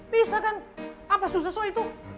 bisa kan apa susah itu